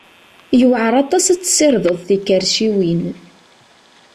Yewɛer aṭas ad tessirdeḍ tikerciwin.